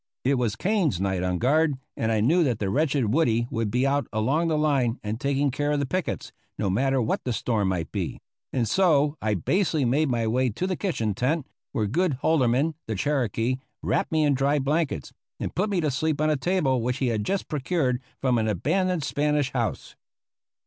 It was Kane's night on guard, and I knew the wretched Woody would be out along the line and taking care of the pickets, no matter what the storm might be; and so I basely made my way to the kitchen tent, where good Holderman, the Cherokee, wrapped me in dry blankets, and put me to sleep on a table which he had just procured from an abandoned Spanish house.